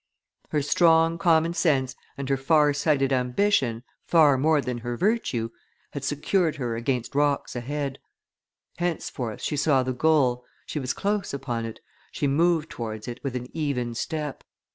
Her strong common sense and her far sighted ambition, far more than her virtue, had secured her against rocks ahead; henceforth she saw the goal, she was close upon it, she moved towards it with an even step.